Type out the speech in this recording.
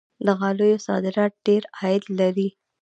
د غالیو صادرات ډیر عاید لري.